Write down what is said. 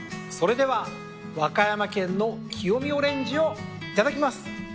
それでは和歌山県の清見オレンジをいただきます！